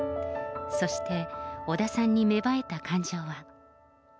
そして、小田さんに芽生えた感情は。